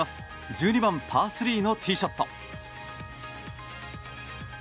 １２番、パー３のティーショット。